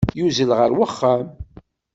Yuzzel ɣer uxxam.